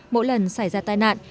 mỗi lần xảy ra tai nạn